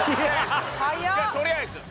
いやとりあえず。